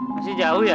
masih jauh ya